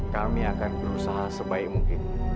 kami akan berusaha sebaik mungkin